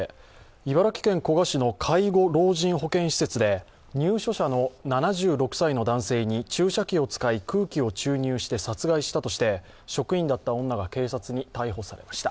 茨城県古河市の介護老人保健施設で入所者の７６歳の男性に注射器を使い空気を注入して殺害したとして職員だった女が警察に逮捕されました。